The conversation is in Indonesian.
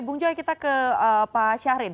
bung joy kita ke pak syahrir